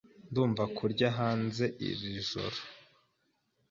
Ndumva kurya hanze iri joro.